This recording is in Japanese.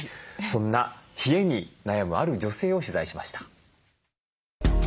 そんな冷えに悩むある女性を取材しました。